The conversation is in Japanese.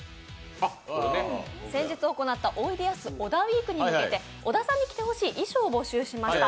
先日行ったおいでやす小田ウィークに向けて小田さんに着てほしい衣装を募集していました。